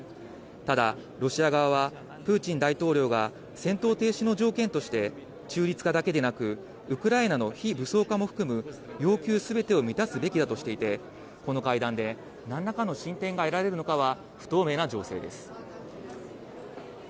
ただ、ロシア側はプーチン大統領が戦闘停止の条件として中立化だけでなく、ウクライナの非武装化も含む要求すべてを満たすべきだとしていて、この会談で、なんらかの進展が得られるのかは不透明な情勢です。